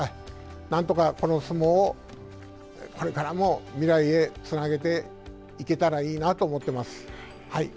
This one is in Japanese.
なんとかこの相撲をこれからも未来へつなげていけたらいいなと思っています。